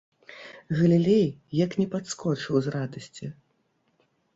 Галілей як не падскочыў з радасці.